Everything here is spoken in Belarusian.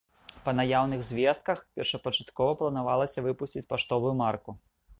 Па наяўных звестках, першапачаткова планавалася выпусціць паштовую марку.